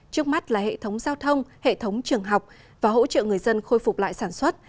trước mắt là hệ thống giao thông hệ thống trường học và hỗ trợ người dân khôi phục lại sản xuất